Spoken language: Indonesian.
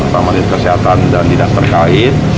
pamanit kesehatan dan didak terkait